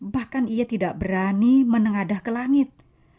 bahkan ia tidak berani menengadah ke langit